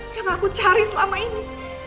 yang aku cari selama ini